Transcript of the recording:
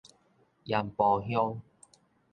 鹽埔鄉